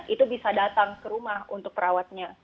itu bisa datang ke rumah untuk perawatnya